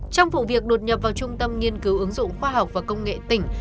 trong vụ việc đột nhập vào trung tâm nghiên cứu ứng dụng khoa học và công nghệ tỉnh